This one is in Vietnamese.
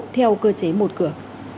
theo cơ chế một cửa